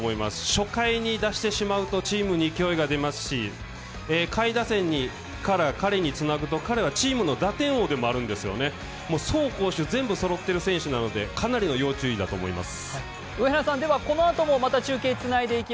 初回に出してしまうとチームに勢いが出ますし、下位打線から彼につなぐと、彼はチームの打点王でもあるんですよね。走攻守全部そろっている選手なのでかなりの要注意だと思います。